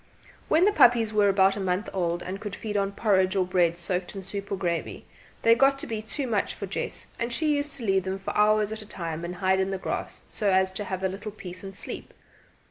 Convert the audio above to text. When the puppies were about a month old, and could feed on porridge or bread soaked in soup or gravy, they got to be too much for Jess, and she used to leave them for hours at a time and hide in the grass so as to have a little peace and sleep.